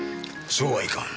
そうはいかん。